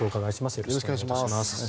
よろしくお願いします。